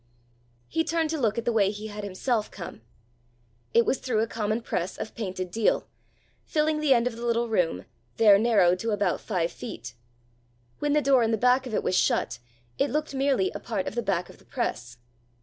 He turned to look at the way he had himself come: it was through a common press of painted deal, filling the end of the little room, there narrowed to about five feet. When the door in the back of it was shut, it looked merely a part of the back of the press.